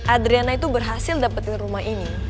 adriana itu berhasil dapetin rumah ini